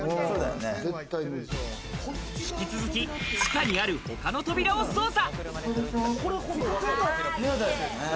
引き続き、地下にある、他の扉を捜査。